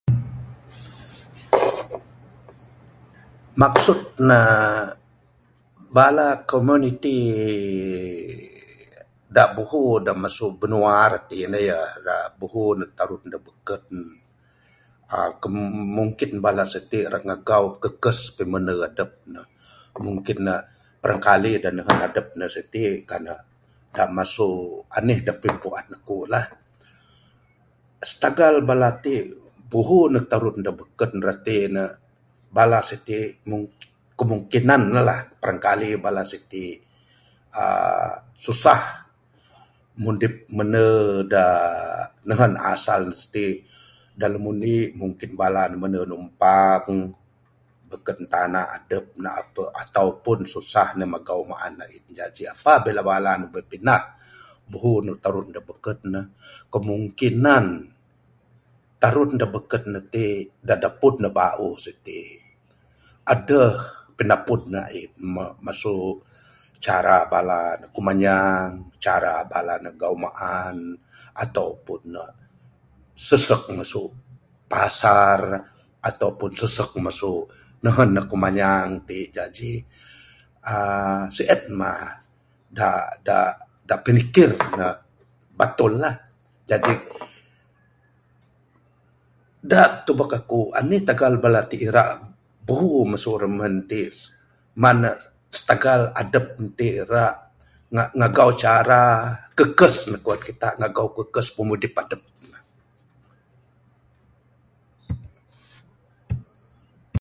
Maksud ne bala komuniti dak buhu dak mesu binua reti ne yah buhu ndek tarun dak beken aaa kemungkin bala siti ira megau pikakas peminde adep ne, mungkin ne barangkali nehen adep ne siti Kan nek mesu enih pimpuan akulah. Sitegal bala ti buhu ndek tarun dak beken reti ne bala siti kemungkinan la barangkali bala siti aaa susah mudip minde dak nehen asal ne siti. Dak nombor indi mungkin bala ne mende numpang beken tana adep ataupun susah ne megau maan ain. Jaji pa bila bala ne bepindah buhu ndek terun dak beken kemungkinan terun dak beken ti dak deput ne bauh sien siti adeh pineput ne ein moh mesu cara bala ne kumanang cara bala megau maan ataupun ne sesek mesu pasar, ataupun sesek mesu nehun kumanyai ti. Jaji aaa sien mah dak-dak pinikir ne betul lah. Jaji dak tebuk aku enih tegal bala ti ira buhu mesu remin ti man ne sitegal adep ne ti ira negau cara kekes ne dak kuan kita megau kekes pimudip adep ne.